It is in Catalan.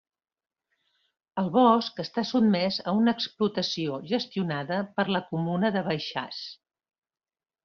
El bosc està sotmès a una explotació gestionada per la comuna de Baixàs.